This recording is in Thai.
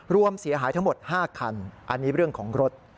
รวมเสียหายทั้งหมด๕คันอันนี้เรื่องของรถ